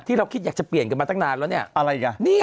ที่เราคิดจะเปลี่ยนไป้างกันมาตั้งแล้วก็เนี่ย